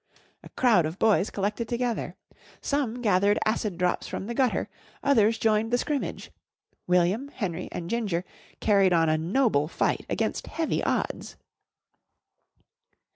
A crowd of boys collected together. Some gathered Acid Drops from the gutter, others joined the scrimmage. William, Henry, and Ginger carried on a noble fight against heavy odds.